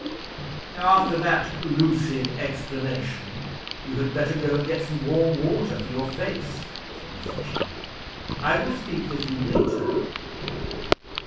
"After that lucid explanation, you had better go and get some warm water for your face," said Mr. Channing. "I will speak with you later."